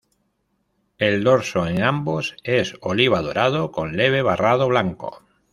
El dorso en ambos es oliva-dorado, con leve barrado blanco.